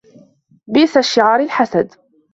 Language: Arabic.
بئس الشعار الحسد